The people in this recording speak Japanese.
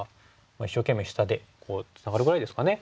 一生懸命下でツナがるぐらいですかね。